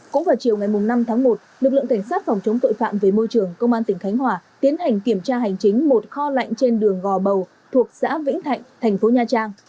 cũng vào chiều ngày năm tháng một lực lượng cảnh sát phòng chống tội phạm về môi trường công an tỉnh khánh hòa tiến hành kiểm tra hành chính một kho lạnh trên đường gò bầu thuộc xã vĩnh thạnh thành phố nha trang